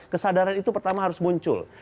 kesadaran itu pertama harus muncul